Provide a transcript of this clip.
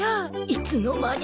いつの間に！？